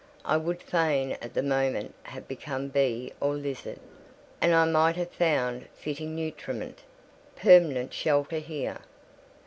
I would fain at the moment have become bee or lizard, that I might have found fitting nutriment, permanent shelter here.